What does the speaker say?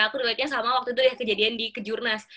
aku relate nya sama waktu itu ya kejadian di kejurnas